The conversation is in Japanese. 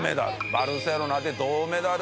バルセロナで銅メダル。